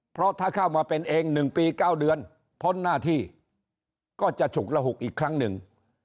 เพราะถ้าเข้ามาเป็นเอง๑ปี๙เดือนพ้นหน้าที่ก็จะฉุกระหุกอีกครั้งหนึ่ง